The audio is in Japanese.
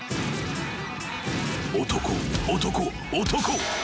［男男男］